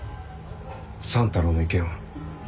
三太郎の意見は？